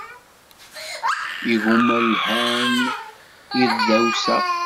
Igumma lhan i tdawsa.